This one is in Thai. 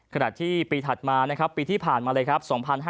ขณะที่ปีถัดมานะครับปีที่ผ่านมาเลยครับ